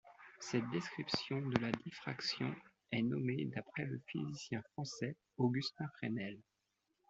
Cette description de la diffraction est nommée d'après le physicien français Augustin Fresnel.